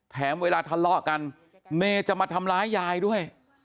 แถมเวลาทะเลาะกันเนจะมาทำร้ายยายด้วย